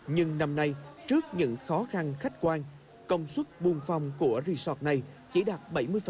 nhưng năm nay trước những khó khăn khách quan công suất buôn phòng của resort này chỉ đạt bảy mươi